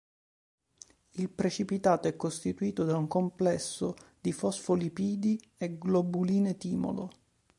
Il precipitato è costituito da un complesso di fosfolipidi e globuline-timolo.